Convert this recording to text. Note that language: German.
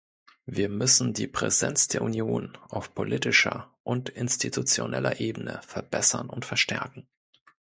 Wir müssen die Präsenz der Union auf politischer und institutioneller Ebene verbessern und verstärken.